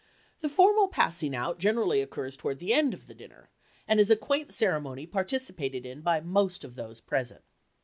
The formal passing out generally occurs toward the end of the dinner, and is a quaint ceremony participated in by most of those present.